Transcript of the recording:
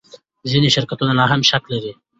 ځینې شرکتونه لا هم شک لري.